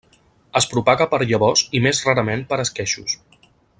Es propaga per llavors i més rarament per esqueixos.